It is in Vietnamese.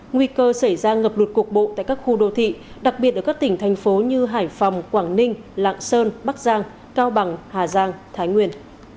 nguy cơ xảy ra ngập lụt cục bộ tại các khu đô thị đặc biệt ở các tỉnh thành phố như hải phòng quảng ninh lạng sơn bắc giang cao bằng hà giang thái nguyên